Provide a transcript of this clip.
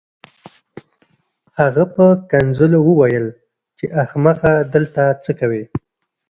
هغه په کنځلو وویل چې احمقه دلته څه کوې